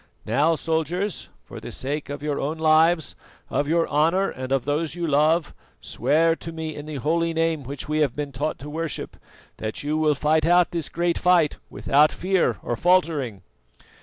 Now, soldiers, for the sake of your own lives, of your honour and of those you love, swear to me, in the holy Name which we have been taught to worship, that you will fight out this great fight without fear or faltering."